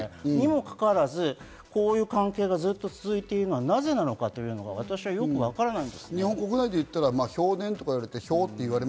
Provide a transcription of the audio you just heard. にもかかわらず、こういう関係がずっと続いているのはなぜなのかというのは私はよくわからない。